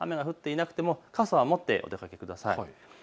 雨が降っていなくても傘は持ってお出かけください。